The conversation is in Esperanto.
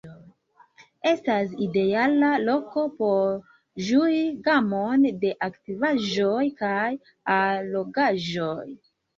Estas ideala loko por ĝui gamon de aktivaĵoj kaj allogaĵoj.